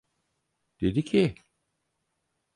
Dedi ki...